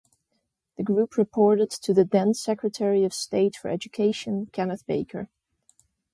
The group reported to the then Secretary of State for Education Kenneth Baker.